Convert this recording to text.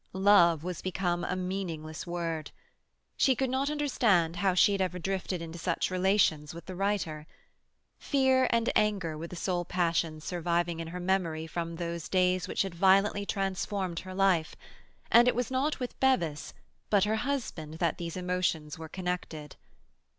Love was become a meaningless word. She could not understand how she had ever drifted into such relations with the writer. Fear and anger were the sole passions surviving in her memory from those days which had violently transformed her life, and it was not with Bevis, but her husband, that these emotions were connected.